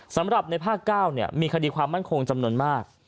สำหรับในภาค๙มีคดีความมั่นคงจำนวนมาก